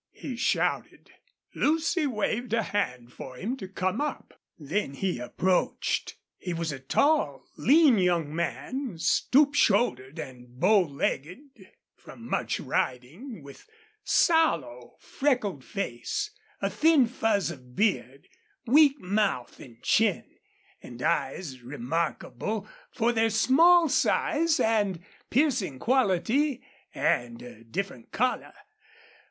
he shouted. Lucy waved a hand for him to come up. Then he approached. He was a tall, lean young man, stoop shouldered and bow legged from much riding, with sallow, freckled face, a thin fuzz of beard, weak mouth and chin, and eyes remarkable for their small size and piercing quality and different color.